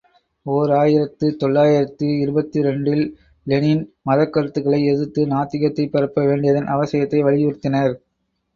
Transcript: ஓர் ஆயிரத்து தொள்ளாயிரத்து இருபத்திரண்டு ல் லெனின் மதக்கருத்துக்களை எதிர்த்து நாத்திகத்தைப் பரப்ப வேண்டியதன் அவசியத்தை வலியுறுத்தினர்.